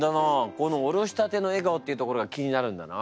この「おろしたての笑顔」っていうところが気になるんだな。